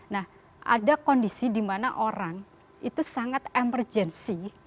nah ada kondisi di mana orang itu sangat emergency